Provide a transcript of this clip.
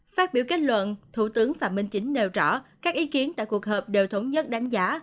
phát biểu kết luận thủ tướng phạm minh chính nêu rõ các ý kiến tại cuộc họp đều thống nhất đánh giá